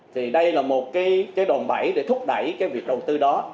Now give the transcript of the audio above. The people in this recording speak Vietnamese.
thì đây là một cái đồn bẫy để thúc đẩy cái việc đầu tư đó